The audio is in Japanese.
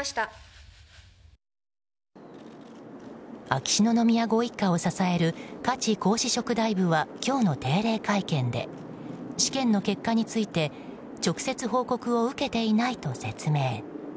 秋篠宮ご一家を支える加地皇嗣職大夫は今日の定例会見で試験の結果について直接報告を受けていないと説明。